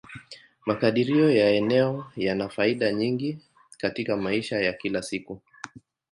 Makadirio ya eneo yana faida nyingi katika maisha ya kila siku.